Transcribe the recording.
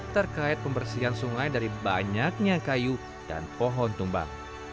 terkait pembersihan sungai dari banyaknya kayu dan pohon tumbang